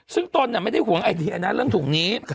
ซึ่งตนไม่ได้ห่วงไอเดียนะเรื่องถุงนี้